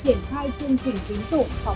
triển khai chương trình tín dụng